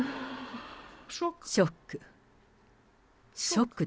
ショック。